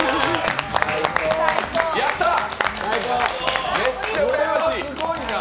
やったー！